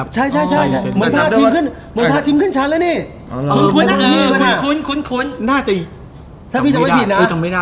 ใช่เหมือนพาทีมขึ้นชั้นแล้วนี่